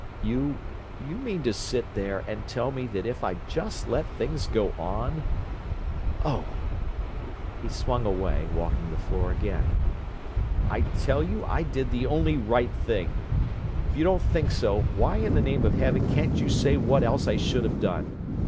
"You—you mean to sit there and tell me that if I'd just let things go on—Oh!" He swung away, walking the floor again. "I tell you I did the only right thing! If you don't think so, why in the name of heaven can't you say what else I should have done?